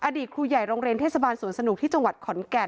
อดีตครูใหญ่โรงเรียนเทศบาลสวนสนุกที่จังหวัดขอนแก่น